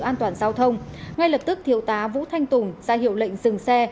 an toàn giao thông ngay lập tức thiếu tá vũ thanh tùng ra hiệu lệnh dừng xe